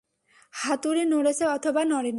হাতুড়ি নড়েছে অথবা নড়েনি।